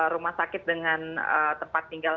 rumah sakit dengan tempat tinggal